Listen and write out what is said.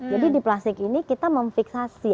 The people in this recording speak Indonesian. jadi di plastik ini kita memfiksasi